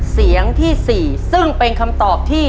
เสียงที่๔ซึ่งเป็นคำตอบที่